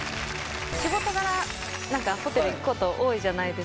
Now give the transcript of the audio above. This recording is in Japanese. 仕事柄ホテル行くこと多いじゃないですか。